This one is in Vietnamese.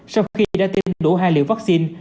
sau khi đã tiêm đủ hai liệu vaccine